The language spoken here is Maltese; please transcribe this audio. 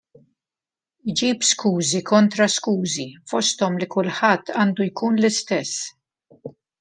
Iġib skużi kontra skużi, fosthom li kulħadd għandu jkun l-istess.